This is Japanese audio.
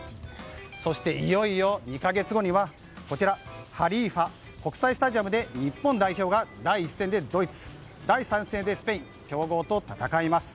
そしていよいよ２か月後にはハリーファ国際スタジアムで日本代表が第１戦でドイツ第３戦でスペインと強豪と戦います。